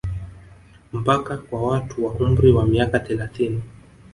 Mpaka kwa watu wa umri wa miaka thelathini